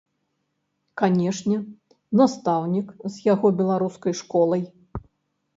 Канешне, настаўнік з яго беларускай школай.